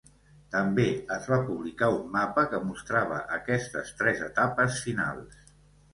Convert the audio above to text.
També es va publicar un mapa que mostrava aquestes tres etapes finals.